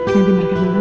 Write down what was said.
nanti makan dulu ya